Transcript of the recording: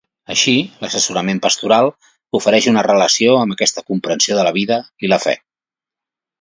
Així, l'assessorament pastoral ofereix una relació amb aquesta comprensió de la vida i la fe.